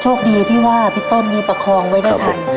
โชคดีที่ว่าพี่ต้นนี้ประคองไว้ได้ทัน